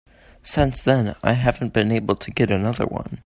Since then I haven't been able to get another one.